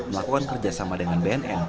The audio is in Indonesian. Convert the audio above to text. melakukan kerjasama dengan bnn